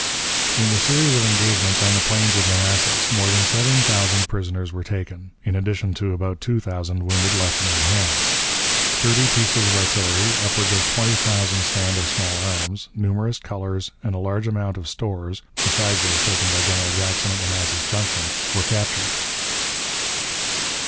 In the series of engagements on the plains of Manassas more than seven thousand prisoners were taken, in addition to about two thousand wounded left in our hands. Thirty pieces of artillery, upward of twenty thousand stand of small arms, numerous colors, and a large amount of stores, besides those taken by General Jackson at Manassas Junction, were captured.